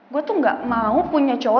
gue tuh gak mau punya cowok